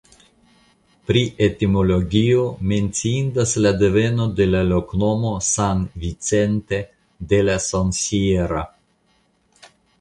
Pri etimologio menciindas la deveno de la loknomo "San Vicente de la Sonsierra".